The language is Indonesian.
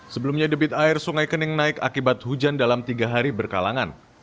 sebelumnya debit air sungai kening naik akibat hujan dalam tiga hari berkalangan